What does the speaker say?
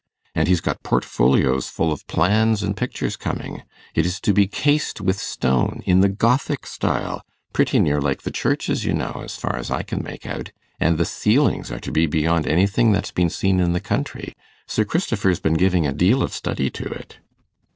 And he's got portfolios full of plans and pictures coming. It is to be cased with stone, in the Gothic style pretty near like the churches, you know, as far as I can make out; and the ceilings are to be beyond anything that's been seen in the country. Sir Christopher's been giving a deal of study to it.